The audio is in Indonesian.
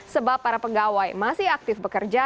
sebab para pegawai masih aktif bekerja